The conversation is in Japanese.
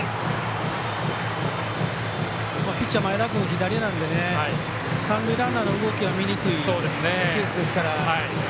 ピッチャー、前田君左なので、三塁ランナーの動きは見にくいですから。